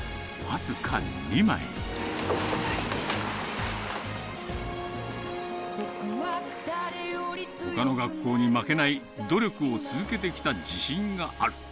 いつもどおり、ほかの学校に負けない努力を続けてきた自信がある。